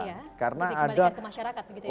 ketika kembalikan ke masyarakat begitu ya